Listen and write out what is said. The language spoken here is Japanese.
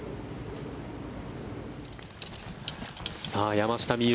山下美夢